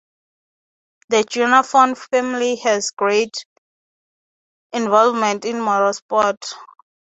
The Giaffone family has had great involvement in motorsport.